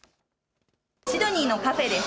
シドニーのカフェです。